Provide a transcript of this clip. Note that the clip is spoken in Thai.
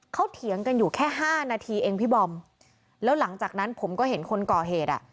เขาเถียงกันอยู่แค่ห้านาทีเองพี่บอมแล้วหลังจากนั้นผมก็เห็นคนก่อเหตุอ่ะ